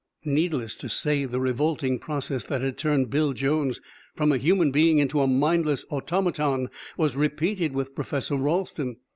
Needless to say, the revolting process that had turned Bill Jones from a human being into a mindless automaton was repeated with Professor Ralston.